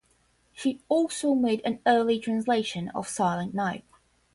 She also made an early translation of Silent Night.